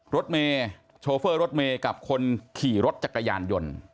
รถเมย์โชเฟอร์รถเมย์กับคนขี่รถจักรยานยนต์